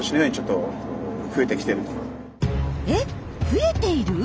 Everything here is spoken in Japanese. え増えている？